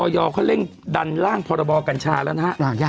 เขาเร่งดันร่างพรบกัญชาแล้วนะฮะ